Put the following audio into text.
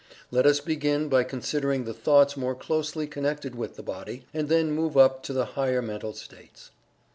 Let us begin by considering the thoughts more closely connected with the body, and then work up to the higher mental states.